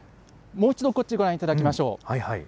もう一度、こっちご覧いただきましょう。